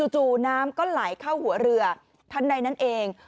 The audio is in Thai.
จู่น้ำก็ไหลเข้าหัวเรือทันใดนั้นเอง